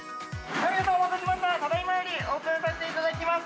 お待たせしました、ただいまよりオープンさせていただきます。